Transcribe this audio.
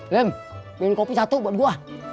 lim minta kopi satu buat gue